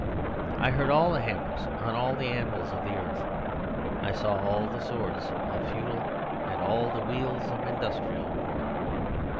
I heard all the hammers on all the anvils of the earth. I saw all the swords of Feudal and all the weals of Industrial war.